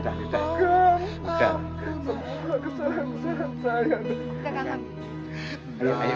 pasti akan sukses ya kan mas ya